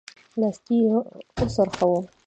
لاستی يې وڅرخوه.